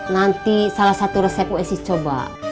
nanti salah satu resep gue sih coba